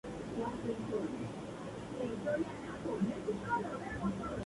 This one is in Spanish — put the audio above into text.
Perdió a su padre a la edad de seis años.